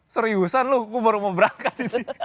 seriusan lu gue baru mau berangkat